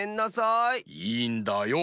いいんだよ。